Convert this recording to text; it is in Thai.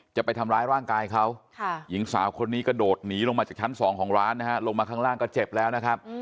จะไปทำร้ายร่างกายเขาหญิงสาวคนนี้กระโดดหนีลงมาจากชั้น๒ของร้านนะฮะลงมาข้างล่างก็เจ็บแล้วนะครับ